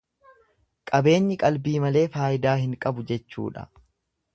Qabeenyi qalbii malee faayidaa hin qabu jechuudha.